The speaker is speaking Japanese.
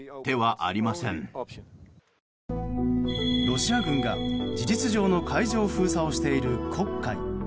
ロシア軍が事実上の海上封鎖をしている黒海。